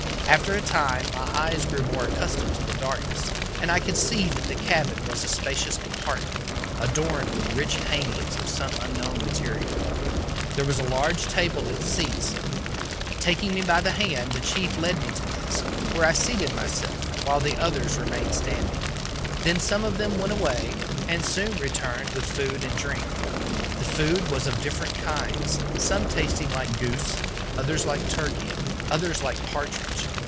After a time my eyes grew more accustomed to the darkness, and I could see that the cabin was a spacious compartment, adorned with rich hangings of some unknown material. There was a large table and seats. Taking me by the hand, the chief led me to this, where I seated myself, while the others remained standing. Then some of them went away, and soon returned with food and drink. The food was of different kinds some tasting like goose, others like turkey, others like partridge.